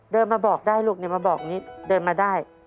เดินมาบอกได้ลูกเนี่ยมาบอกนิดเดินมาได้